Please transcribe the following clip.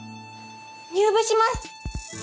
入部します！